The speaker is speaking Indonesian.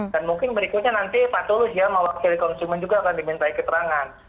dan mungkin berikutnya nanti pak tulus yang mewakili konsumen juga akan diminta keterangan